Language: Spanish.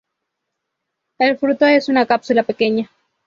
El fruto es una cápsula pequeña.